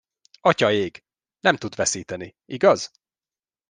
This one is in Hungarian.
Atyaég, nem tud veszíteni, igaz?